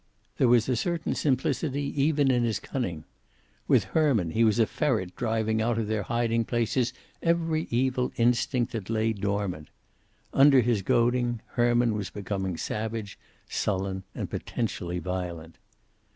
There was a certain simplicity even in his cunning. With Herman he was a ferret driving out of their hiding places every evil instinct that lay dormant. Under his goading, Herman was becoming savage, sullen, and potentially violent.